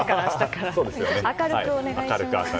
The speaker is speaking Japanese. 明るくお願いします。